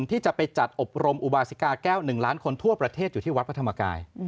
ที่จะไปจัดอบรมอุบาสิกาแก้ว๑ล้านคนทั่วประเทศอยู่ที่วัดพระธรรมกาย